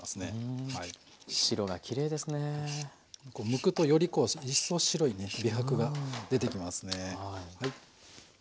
むくとよりこう一層白いね美白が出てきますね。